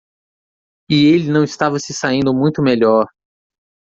E ele não estava se saindo muito melhor.